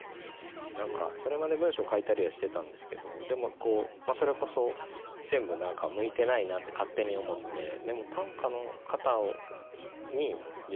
何かそれまで文章書いたりはしてたんですけどでもそれこそ全部何か向いてないなって勝手に思って空気。